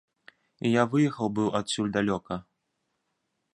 І я выехаў быў адсюль далёка.